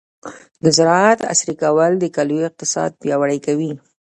د زراعت عصري کول د کلیو اقتصاد پیاوړی کوي.